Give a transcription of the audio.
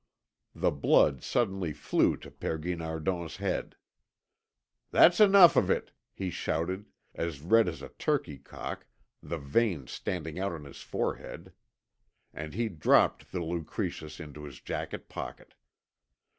The blood suddenly flew to Père Guinardon's head. "That's enough of it," he shouted, as red as a turkey cock, the veins standing out on his forehead. And he dropped the Lucretius into his jacket pocket.